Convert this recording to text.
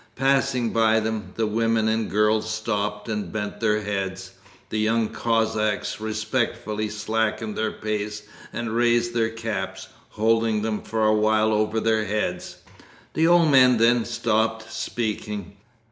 Passing by them, the women and girls stopped and bent their heads. The young Cossacks respectfully slackened their pace and raised their caps, holding them for a while over their heads. The old men then stopped speaking.